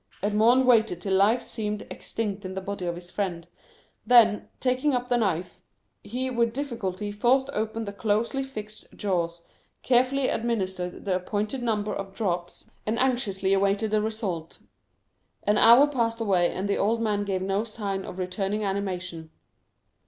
Edmond waited till life seemed extinct in the body of his friend, then, taking up the knife, he with difficulty forced open the closely fixed jaws, carefully administered the appointed number of drops, and anxiously awaited the result. An hour passed away and the old man gave no sign of returning animation.